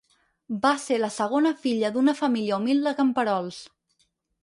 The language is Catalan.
Va ser la segona filla d'una família humil de camperols.